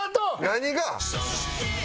何が？